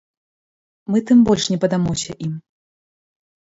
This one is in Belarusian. Мы тым больш не паддамося ім!